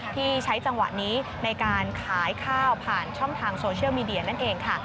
ที่ใช้จังหวะนี้ในการขายข้าวผ่านช่องทางโซเชียลมีเดียนั่นเองค่ะ